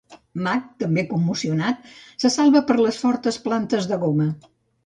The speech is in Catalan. Mac, també commocionat, se salva per les fortes plantes de goma.